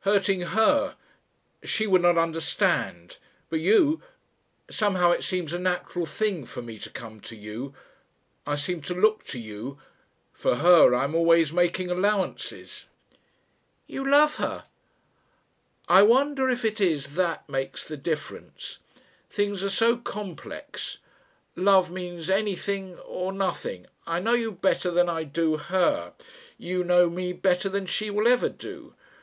Hurting her she would not understand. But you somehow it seems a natural thing for me to come to you. I seem to look to you For her I am always making allowances " "You love her." "I wonder if it is that makes the difference. Things are so complex. Love means anything or nothing. I know you better than I do her, you know me better than she will ever do.